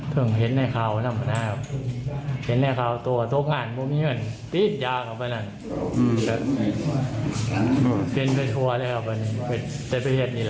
เดี๋ยวก่อนชิงทรัพย์ครับผม